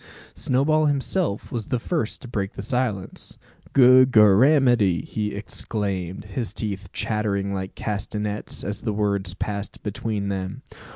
Snowball himself was the first to break silence. "Good Gorramity!" he exclaimed, his teeth chattering like castanets, as the words passed between them.